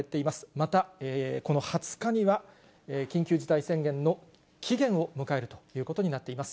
また、この２０日には、緊急事態宣言の期限を迎えるということになっています。